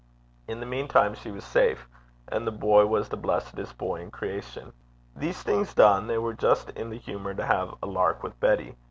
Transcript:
In the meantime she was safe, and the boy was the blessedest boy in creation. These things done, they were just in the humour to have a lark with Betty.